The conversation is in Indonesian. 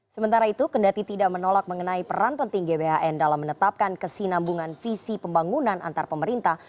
sementara itu kendati tidak menolak mengenai peran penting gbhn dalam menetapkan kesinambungan visi pembangunan antar pemerintah